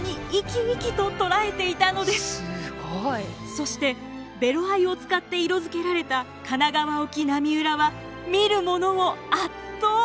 そしてベロ藍を使って色づけられた「神奈川沖浪裏」は見る者を圧倒。